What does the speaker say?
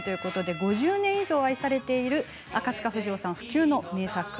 ５０年以上愛されている赤塚不二夫さんの不朽の名作。